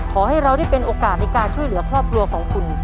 ขอให้เราได้เป็นโอกาสในการช่วยเหลือครอบครัวของคุณ